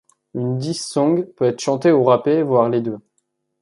Une diss song peut être chantée ou rappée, voire les deux.